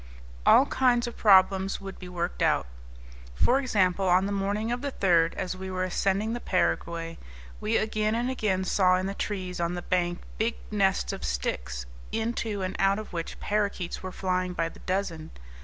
All kinds of problems would be worked out. For example, on the morning of the 3rd, as we were ascending the Paraguay, we again and again saw in the trees on the bank big nests of sticks, into and out of which parakeets were flying by the dozen.